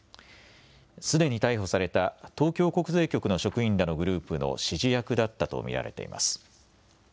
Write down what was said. すでに逮捕された東京国税局の職員らのグループの指示役だったと見られています。